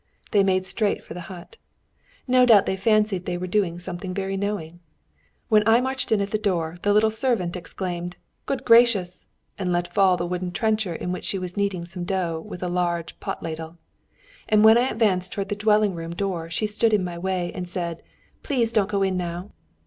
They made straight for the hut. No doubt they fancied they were doing something very knowing. When I marched in at the door the little servant exclaimed, 'Good gracious!' and let fall the wooden trencher in which she was kneading some dough with a large pot ladle, and when I advanced towards the dwelling room door, she stood in my way, and said, 'Please don't go in now!'